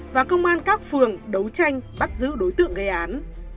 và công an các phường đấu tranh bắt giữ đối tượng gây án